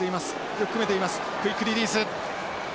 よく組めています。クイックリリース。